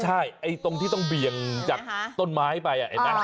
ใช่ตรงที่ต้องเบี่ยงจากต้นไม้ไป